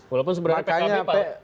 walaupun sebenarnya pkb pak